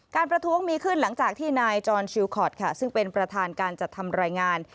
ประท้วงมีขึ้นหลังจากที่นายจรชิลคอร์ดค่ะซึ่งเป็นประธานการจัดทำรายงาน